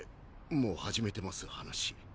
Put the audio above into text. もう始めてます話？